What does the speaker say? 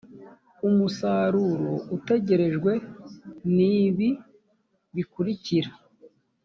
umusaruro utegerejwe ni ibi bikurikira